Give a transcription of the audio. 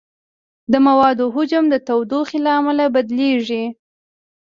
د موادو حجم د تودوخې له امله بدلېږي.